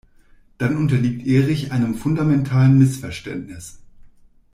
Dann unterliegt Erich einem fundamentalen Missverständnis.